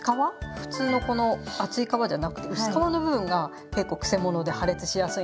普通のこの厚い皮じゃなくて薄皮の部分が結構くせ者で破裂しやすいので。